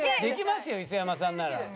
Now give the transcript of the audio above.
できますよ磯山さんなら。